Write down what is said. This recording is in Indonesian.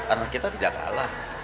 karena kita tidak kalah